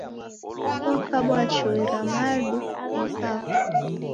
Okabwa chui ra madu ghikafwa